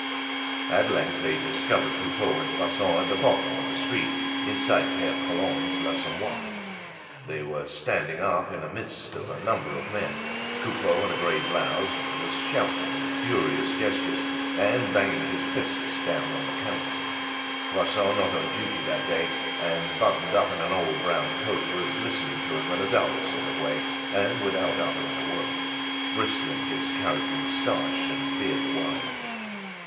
At length they discovered Coupeau and Poisson at the bottom of the street inside Pere Colombe's l'Assommoir. They were standing up in the midst of a number of men; Coupeau, in a grey blouse, was shouting with furious gestures and banging his fists down on the counter. Poisson, not on duty that day and buttoned up in an old brown coat, was listening to him in a dull sort of way and without uttering a word, bristling his carroty moustaches and beard the while.